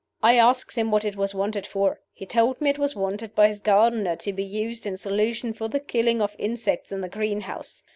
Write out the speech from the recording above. I asked him what it was wanted for. He told me it was wanted by his gardener, to be used, in solution, for the killing of insects in the greenhouse.